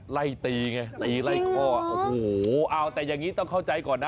ไล่ตีไงตีไล่คอโอ้โหเอาแต่อย่างนี้ต้องเข้าใจก่อนนะ